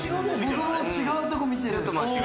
僕も違うとこ見てる。